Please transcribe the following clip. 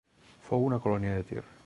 Fou una colònia de Tir.